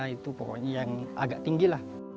itu pokoknya yang agak tinggi lah